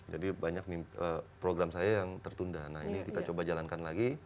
jadi banyak program saya yang tertunda nah ini kita coba jalankan lagi